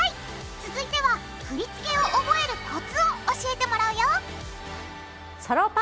続いては振り付けを覚えるコツを教えてもらうよ！